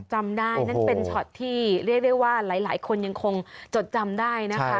จำได้นั่นเป็นช็อตที่เรียกได้ว่าหลายคนยังคงจดจำได้นะคะ